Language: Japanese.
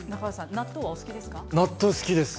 納豆はお好きですか。